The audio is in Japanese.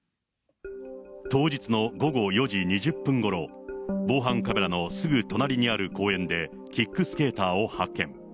当日の午後４時２０分ごろ、防犯カメラのすぐ隣にある公園で、キックスケーターを発見。